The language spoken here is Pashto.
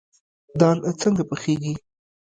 دال څنګه پخیږي؟